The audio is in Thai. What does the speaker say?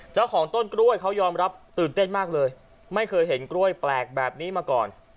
เจ้าของต้นกล้วยเขายอมรับตื่นเต้นมากเลยไม่เคยเห็นกล้วยแปลกแบบนี้มาก่อน